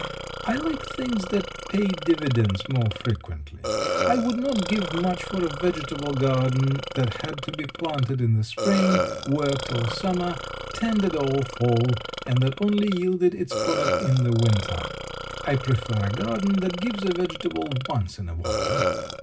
I like things that pay dividends more frequently. I would not give much for a vegetable garden that had to be planted in the spring, worked all summer, tended all fall, and that only yielded its product in the winter. I prefer a garden that gives a vegetable once in awhile.